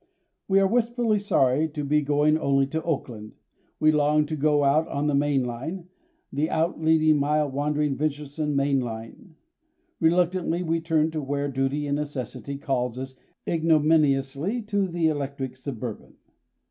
We are wistfully sorry to be going only to Oakland, we long to go out on the Main Line, the out leading, mile wandering, venturesome Main Line. Reluctantly we turn to where duty and necessity calls us ignominiously to the electric suburban.